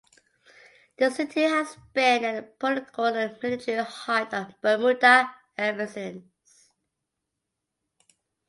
The City has been at the political and military heart of Bermuda ever since.